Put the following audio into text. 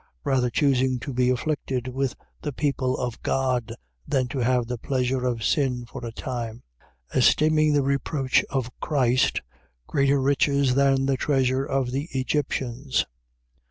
Rather choosing to be afflicted with the people of God than to have the pleasure of sin for a time: 11:26. Esteeming the reproach of Christ greater riches than the treasure of the Egyptians.